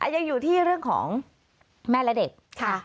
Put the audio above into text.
ยังอยู่ที่เรื่องของแม่และเด็กค่ะ